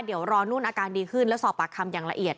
เดี๋ยวรอนู่นอาการดีขึ้นแล้วสอบปากคำอย่างละเอียด